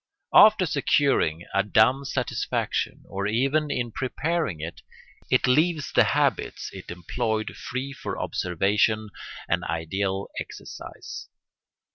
After securing a dumb satisfaction, or even in preparing it, it leaves the habits it employed free for observation and ideal exercise.